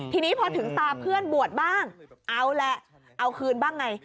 ทีนี้พอถึงตาเพื่อนบวชบ้างเอาแหละเอาคืนบ้างไง